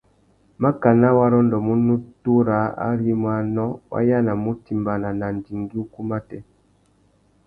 Makana wa rôndômú nutu râā ari i mú anô, wa yānamú utimbāna na andigüî ukú matê.